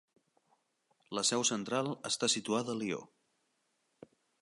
La seu central està situada a Lió.